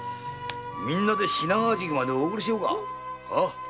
みんなで品川宿までお送りしようか。